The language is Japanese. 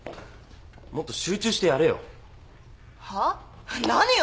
もっと集中してやれよ。はあ！？何よ？